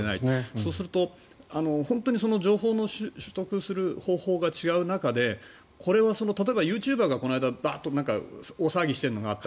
そうすると、本当に情報を取得する方法が違う中でこれは例えば、ユーチューバーがこの間バッと大騒ぎしているのがあった。